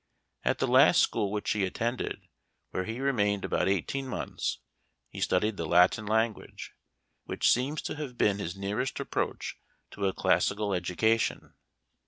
At the last school which he attended, where he remained about eighteen months, he studied the Latin language, which seems to have been his nearest approach to a classical education.